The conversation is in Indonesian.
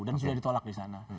dan sudah ditolak di sana